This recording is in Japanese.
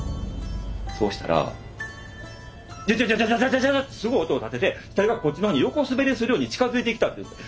そしたらジャジャジャジャジャジャってすごい音を立てて死体がこっちの方に横滑りするように近づいてきたんです。